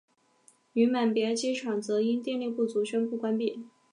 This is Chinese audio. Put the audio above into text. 女满别机场则因电力不足宣布关闭。